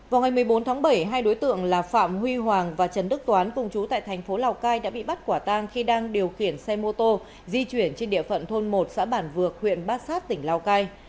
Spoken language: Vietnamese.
vào ngày một mươi bốn tháng bảy hai đối tượng là phạm huy hoàng và trần đức toán cùng chú tại thành phố lào cai đã bị bắt quả tang khi đang điều khiển xe mô tô di chuyển trên địa phận thôn một xã bản vược huyện bát sát tỉnh lào cai